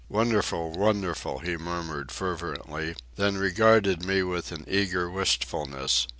"Wonderful, wonderful!" he murmured fervently, then regarded me with an eager wistfulness.